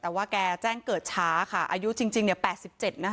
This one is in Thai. แต่ว่าแกแจ้งเกิดช้าค่ะอายุจริงเนี่ย๘๗นะคะ